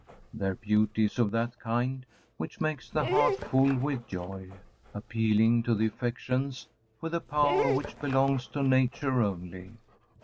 Their beauty is of that kind which makes the heart full with joy appealing to the affections with a power which belongs to nature only.